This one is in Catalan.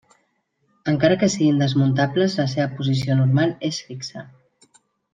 Encara que siguin desmuntables la seva posició normal és fixa.